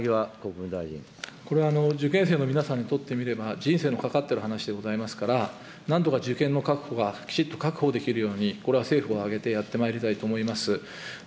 これは受験生の皆さんにとってみれば、人生のかかっている話でございますから、なんとか受験の確保が、きちっと確保できるように、これは政府を挙げて、やってまいりたいと思います。